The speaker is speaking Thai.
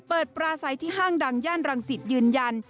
เปิดปราศัยที่ห้างดังย่านรังสิตยืนยัน